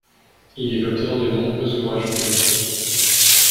Il est l'auteur de nombreux ouvrages politiques.